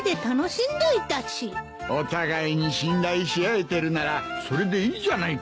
お互いに信頼し合えてるならそれでいいじゃないか。